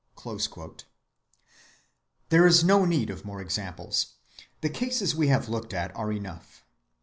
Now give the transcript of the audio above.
(84) There is no need of more examples. The cases we have looked at are enough.